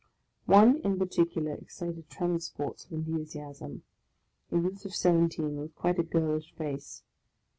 One in particular excited transports of enthusiasm, — a youth of seventeen, with quite a girlish face.